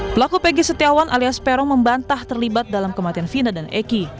pelaku pegi setiawan alias peron membantah terlibat dalam kematian fina dan eki